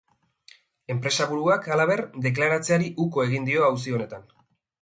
Enpresaburuak, halaber, deklaratzeari uko egin dio auzi honetan.